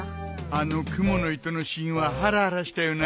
あのクモの糸のシーンはハラハラしたよな。